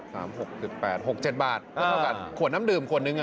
๖๗บาทเท่ากันขวดน้ำดื่มขวดหนึ่งน่ะ